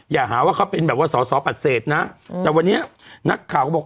อย่าหาว่าเขาเป็นแบบว่าสอสอปฏิเสธนะแต่วันนี้นักข่าวก็บอก